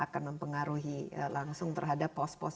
akan mempengaruhi langsung terhadap pos pos